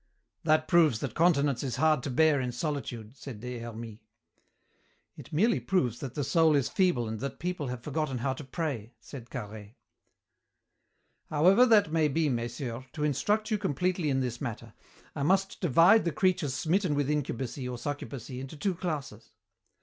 "That proves that continence is hard to bear in solitude," said Des Hermies. "It merely proves that the soul is feeble and that people have forgotten how to pray," said Carhaix. "However that may be, messieurs, to instruct you completely in this matter, I must divide the creatures smitten with incubacy or succubacy into two classes.